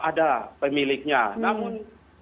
ada pemiliknya namun